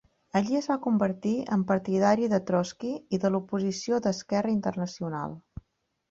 Allí es va convertir en partidari de Trotsky i de l'oposició d'esquerra internacional.